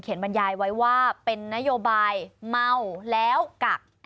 บรรยายไว้ว่าเป็นนโยบายเมาแล้วกัก